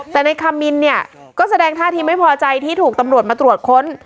แต่ในคามินเนี่ยก็แสดงท่าทีไม่พอใจที่ถูกตำรวจมาตรวจค้น